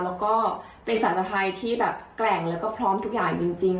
แล้วก็เป็นสารตภัยที่แบบแกร่งแล้วก็พร้อมทุกอย่างจริง